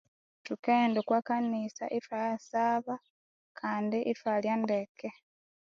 Thukaghenda okwa kanisa ithwayasaba kandi ithwalya ndeke